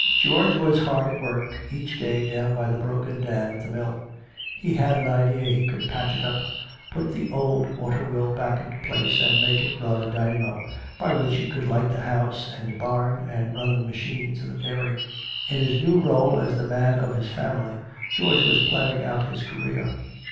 George was hard at work each day down by the broken dam at the mill. He had an idea he could patch it up, put the old water wheel back into place and make it run a dynamo, by which he could light the house and barn and run the machines in the dairy. In his new rôle as the man of his family, George was planning out his career.